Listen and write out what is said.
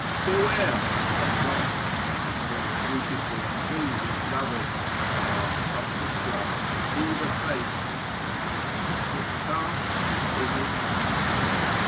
Beware ! say not, ' He is All Beautiful, And we His lovers.' Thou art but the glass, And He the Face ^ confronting it, which casts Its image on the mirror.